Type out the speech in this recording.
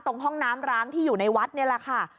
ห้องน้ำร้างที่อยู่ในวัดนี่แหละค่ะ